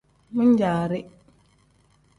Min-jaari.